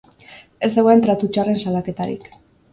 Ez zegoen tratu txarren salaketarik.